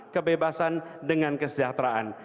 kebebasan dengan kesejahteraan